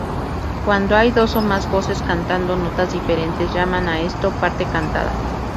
Cuando hay dos o más voces cantando notas diferentes, llaman a esto "parte cantada".